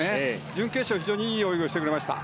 準決勝は、非常にいい泳ぎをしてくれました。